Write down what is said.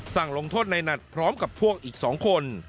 ลงโทษในนัดพร้อมกับพวกอีก๒คน